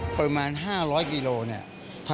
ประมาณ๕๐๐กิโลเมตร